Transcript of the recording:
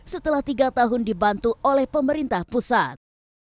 setelah tiga tahun dibantu oleh pemerintah pusat